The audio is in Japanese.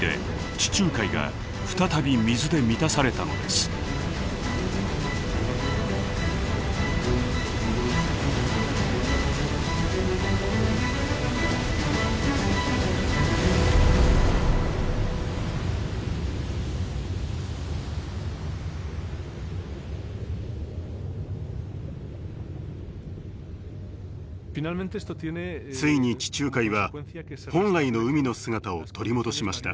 ついに地中海は本来の海の姿を取り戻しました。